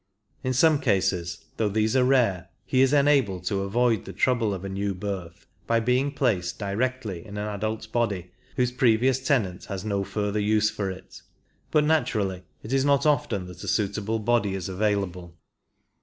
In some cases, though these are rare, he is enabled to avoid the trouble of a new birth by being placed directly in an adult body whose previous tenant has no further use 25 for it, but naturally it is not often that a suitable body is available.